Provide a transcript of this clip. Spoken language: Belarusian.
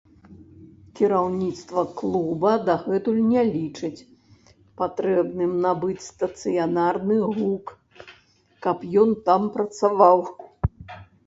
Кіраўніцтва клуба дагэтуль не лічыць патрэбным набыць стацыянарны гук, каб ён там працаваў.